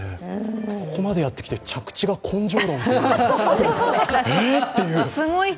ここまでやってきて、着地が根性論という。